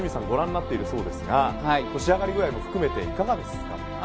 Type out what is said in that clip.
ご覧になっているそうですが仕上がり具合も含めていかがです？